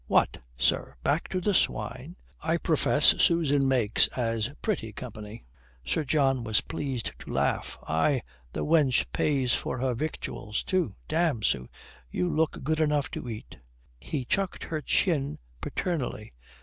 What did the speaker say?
"What, sir, back to the swine? I profess Susan makes as pretty company." Sir John was pleased to laugh. "Ay, the wench pays for her victuals, too. Damme, Sue, you look good enough to eat." He chucked her chin paternally.